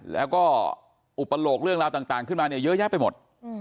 แล้วก็อุปโลกเรื่องราวต่างขึ้นมาเนี่ยเยอะแยะไปหมด